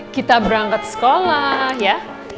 kita berangkat sekolah ya